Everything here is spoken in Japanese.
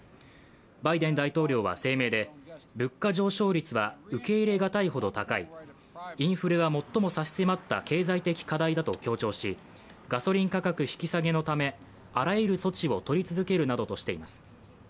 バイデン大統領は声明で、物価上昇率は受け入れがたいほど高い、インフレは最も差し迫った経済的課題だと強調しガソリン価格引き下げのためあらゆる措置を取り続けるなどとしています。